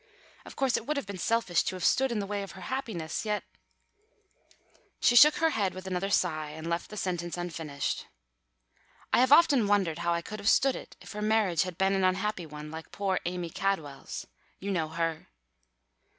Of course it would have been selfish to have stood in the way of her happiness, yet " She shook her head with another sigh, and left the sentence unfinished. "I have often wondered how I could have stood it if her marriage had been an unhappy one, like poor Amy Cadwell's. You know her."